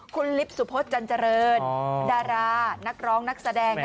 คุณลิฟต์สุพธจันเจริญดารานักร้องนักแสดง